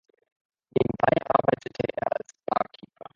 Nebenbei arbeitete er als Barkeeper.